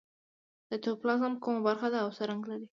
سایتوپلازم کومه برخه ده او څه رنګ لري